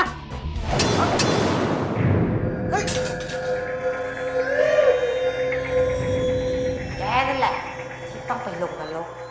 นั่นแหละที่ต้องไปลงนรก